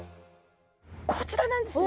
こちらなんですね。